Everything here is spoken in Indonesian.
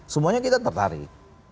semuanya kita tertarik